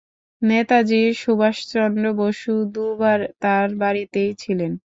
নেতাজী সুভাষচন্দ্র বসু দু'বার তাঁর বাড়িতেই ছিলেন।